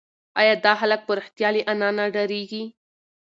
ایا دا هلک په رښتیا له انا نه ډارېږي؟